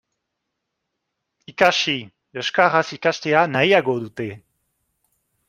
Ikasi, euskaraz ikastea nahiago dute.